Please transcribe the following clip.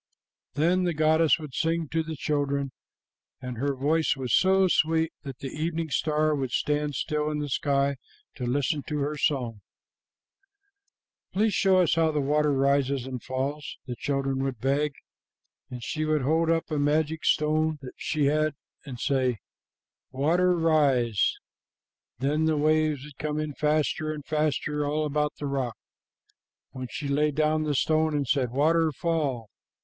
"Then the goddess would sing to the children, and her voice was so sweet that the evening star would stand still in the sky to listen to her song. 'Please show us how the water rises and falls,' the children would beg, and she would hold up a magic stone that she had and say, 'Water, rise!' Then the waves would come in faster and faster all about the rock. When she laid down the stone and said, 'Water, fall!'